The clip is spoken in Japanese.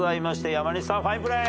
山西さんファインプレー。